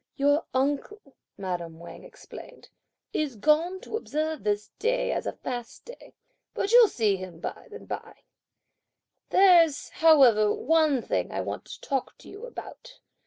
"Your uncle," madame Wang explained, "is gone to observe this day as a fast day, but you'll see him by and bye. There's, however, one thing I want to talk to you about.